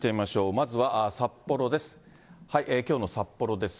まずは札幌です。